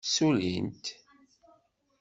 Ssulin-t.